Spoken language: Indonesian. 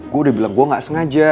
gue udah bilang gue gak sengaja